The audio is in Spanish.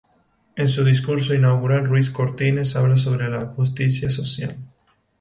En su discurso inaugural, Ruiz Cortines habla sobre la justicia social.